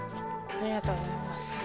ありがとうございます。